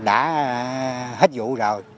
đã hết vụ rồi